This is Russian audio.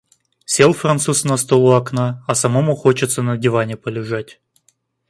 Сел француз на стул у окна, а самому хочется на диване полежать.